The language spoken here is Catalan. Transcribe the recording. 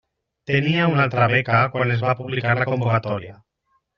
Tenia una altra beca quan es va publicar la convocatòria.